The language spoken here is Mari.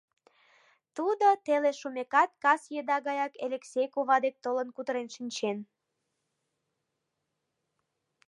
Тудо, теле шумекат, кас еда гаяк Элексей кува дек толын кутырен шинчен.